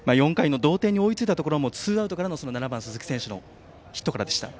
４回の同点に追いついたところツーアウトからの鈴木選手のヒットからでした。